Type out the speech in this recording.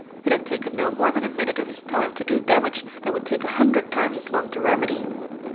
It had taken no more than a minute of his time to do damage that would take a hundred times as long to remedy.